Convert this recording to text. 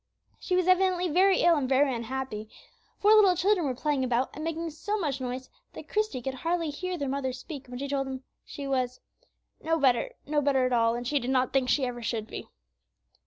She was evidently very ill and very unhappy. Four little children were playing about, and making so much noise that Christie could hardly hear their mother speak when she told him she was "no better, no better at all, and she did not think she ever should be."